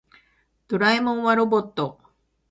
ドラえもんはロボット。